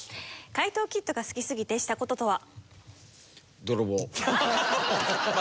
怪盗キッドが好きすぎてした事とは？